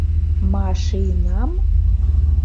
Ма-ши-нам?